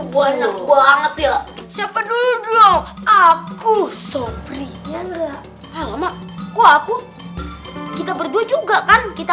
banyak banget ya siapa dulu aku sopri ya enggak alamak aku kita berdua juga kan kita